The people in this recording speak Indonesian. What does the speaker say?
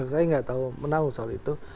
saya nggak tahu menahu soal itu